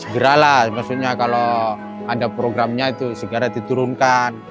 segeralah maksudnya kalau ada programnya itu segera diturunkan